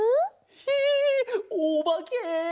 ひえおばけ！？